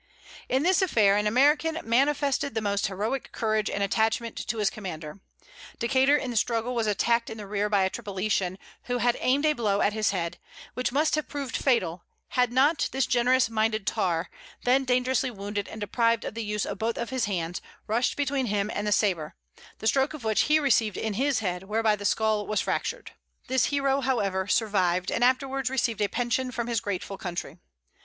In this affair an American manifested the most heroic courage and attachment to his commander. Decater, in the struggle, was attacked in the rear by a Tripolitan, who had aimed a blow at his head, which must have proved fatal, had not this generous minded tar, then dangerously wounded and deprived of the use of both his hands, rushed between him and the sabre, the stroke of which he received in his head whereby the scull was fractured. This hero, however, survived, and afterwards received a pension from his grateful country.